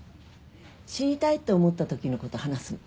死にたいって思ったときのこと話すの。